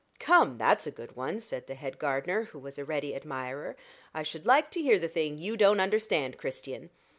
"Come, that's a good one," said the head gardener, who was a ready admirer; "I should like to hear the thing you don't understand, Christian."